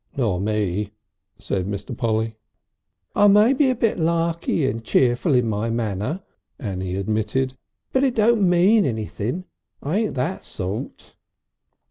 "Nor me," said Mr. Polly. "I may be a bit larky and cheerful in my manner," Annie admitted. "But it don't mean anything. I ain't that sort."